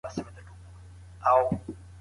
موږ د پديدو اړيکي نه هيروو.